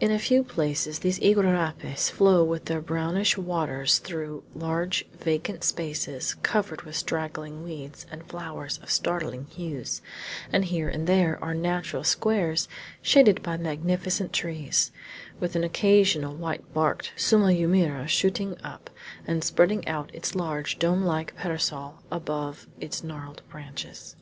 In a few places these iguarapes flow with their brownish waters through large vacant spaces covered with straggling weeds and flowers of startling hues, and here and there are natural squares shaded by magnificent trees, with an occasional white barked sumaumeira shooting up, and spreading out its large dome like parasol above its gnarled branches.